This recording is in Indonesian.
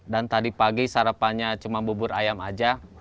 dan tadi pagi sarapannya cuma bubur ayam aja